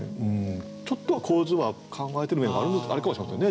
ちょっとは構図は考えてる面があるかもしれませんね。